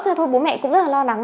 thế thôi bố mẹ cũng rất là lo nắng